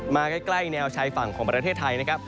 มาใกล้แนวชายฝั่งของประเทศไทยนะครับ